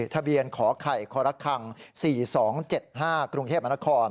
ทะเบียนขอไข่ครคัง๔๒๗๕กรุงเทพมนคร